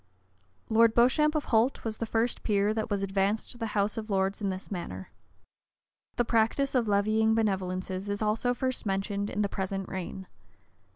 Lord Beauchamp, of Holt, was the first peer that was advanced to the house of lords in this manner. The practice of levying benevolences is also first mentioned in the present reign.